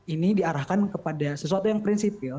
ini diarahkan kepada sesuatu yang prinsipil